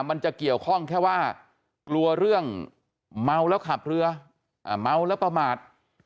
มันจะเกี่ยวข้องแค่ว่ากลัวเรื่องเมาแล้วขับเรือเมาแล้วประมาท